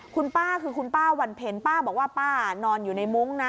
คุณป้าคือคุณป้าวันเพ็ญป้าบอกว่าป้านอนอยู่ในมุ้งนะ